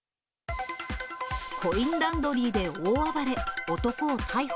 コインランドリーで大暴れ、男を逮捕。